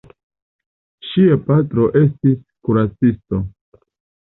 Ŝia patro estis kuracisto.